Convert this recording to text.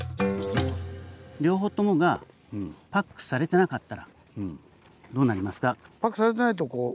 両方ともがパックされてなかったらどうなりますか？